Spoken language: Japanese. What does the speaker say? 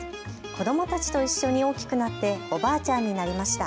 子どもたちと一緒に大きくなっておばあちゃんになりました。